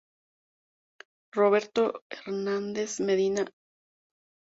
Roberto Hernández Medina, Cts.